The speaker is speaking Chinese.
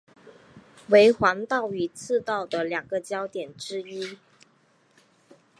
为黄道与赤道的两个交点之一。